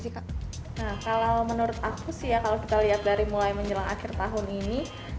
kalau menurut aku dari mulai menjelang akhir tahun ini